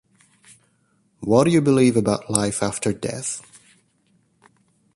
What do you believe about life after death?